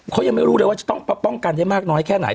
เขายังไม่รู้เลยว่าจะต้องป้องกันได้มากน้อยแค่ไหน